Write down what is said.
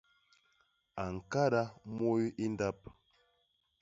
A ñkada muy i ndap.